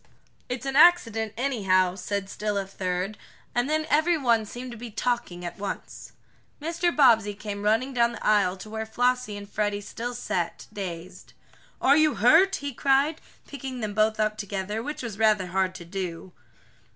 "It's an accident, anyhow," said still a third, and then every one seemed to be talking at once. Mr. Bobbsey came running down the aisle to where Flossie and Freddie still sat, dazed. "Are you hurt?" he cried, picking them both up together, which was rather hard to do.